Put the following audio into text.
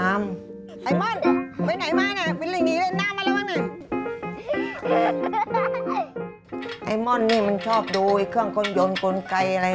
มันชอบดูเครื่องก้นยนต์กลุ่นไกรอะไร